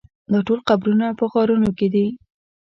دا ټول قبرونه په غارونو کې دي.